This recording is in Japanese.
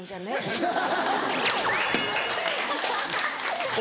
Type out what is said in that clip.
アハハハ！